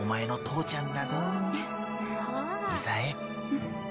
うん？